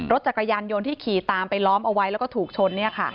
รถจักรยานยนต์ที่ขี่ตามไปล้อมเอาไว้แล้วก็ถูกชน